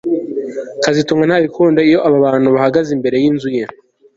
kazitunga ntabikunda iyo abantu bahagaze imbere yinzu ye